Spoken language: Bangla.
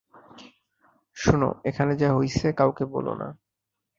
শুনো, এখানে যা হইসে, কাউকে বলো না।